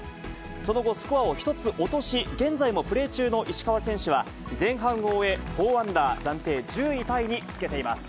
その後、スコアを１つ落とし、現在もプレー中の石川選手は、前半を終え４アンダー、暫定１０位タイにつけています。